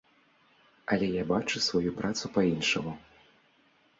Але я бачу сваю працу па-іншаму.